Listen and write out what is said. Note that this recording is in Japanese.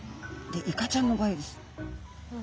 でイカちゃんの場合です。